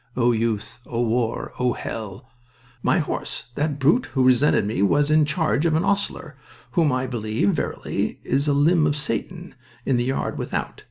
O youth! O war! O hell!... My horse, that brute who resented me, was in charge of an 'ostler, whom I believe verily is a limb of Satan, in the yard without.